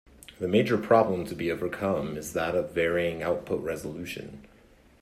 The major problem to be overcome is that of varying output resolution.